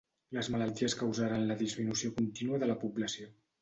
Les malalties causaren la disminució contínua de la població.